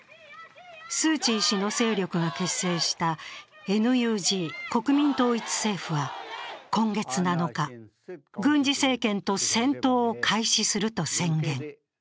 スー・チー氏の勢力が結成したＮＵＧ＝国民統一政府は今月７日、軍事政権と戦闘を開始すると宣言。